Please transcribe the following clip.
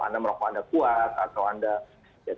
anda merokok anda kuat atau anda